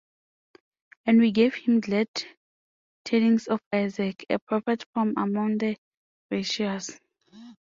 And We gave him glad tidings of Isaac, a prophet from among the righteous.